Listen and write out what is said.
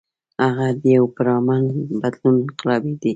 هغه د يو پُرامن بدلون انقلابي دے ۔